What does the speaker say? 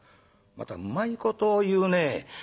「またうまいことを言うねえ」。